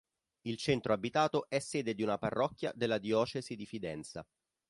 Il centro abitato è sede di una parrocchia della diocesi di Fidenza.